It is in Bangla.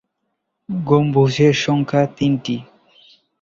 গম্বুজের সংখ্যা তিনটি।